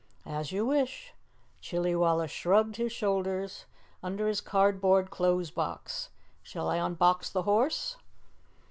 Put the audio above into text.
"As you wish." Chillywalla shrugged his shoulders under his cardboard clothes box. "Shall I unbox the horse?"